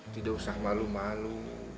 tidak usah malu malu